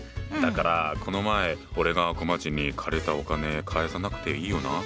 だからこの前俺がこまっちに借りたお金返さなくていいよな？